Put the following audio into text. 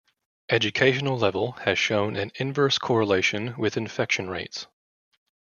Educational level has shown an inverse correlation with infection rates.